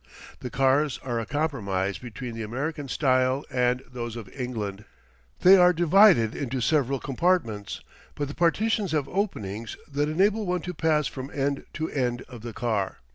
The cars are a compromise between the American style and those of England. They are divided into several compartments, but the partitions have openings that enable one to pass from end to end of the car.